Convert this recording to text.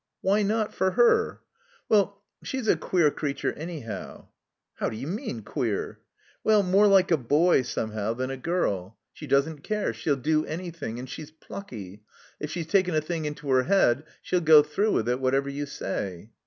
Why not— for her?" Well — she's a queer creature anyhow." How d'you mean — queer?" "Well — ^more like a boy, somehow, than a girl. 8s II' II' THE COMBINED MiAZE She doesn't care. She'll do anything. And she's plucky. If she's taken a thing into her head she'll go through with it whatever you say."